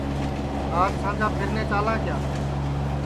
آج سانجا پیرنے چالاں کیا